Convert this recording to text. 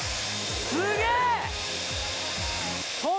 すげえ！